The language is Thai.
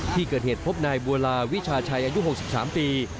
ที่เกิดเหตุพบนายบัวลาวิชาชัยอายุ๖๓ปี